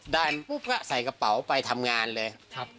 ด้านใส่กระเป๋าไปทำงานเลย